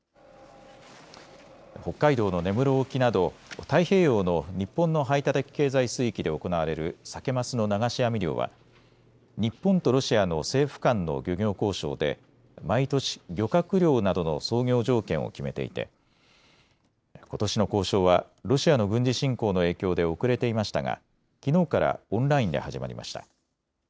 北海道の根室沖など太平洋の日本の排他的経済水域で行われるサケマスの流し網漁は日本とロシアの政府間の漁業交渉で毎年、漁獲量などの操業条件を決めていてことしの交渉はロシアの軍事侵攻の影響で遅れていましたがきのうからオンラインで始まりました。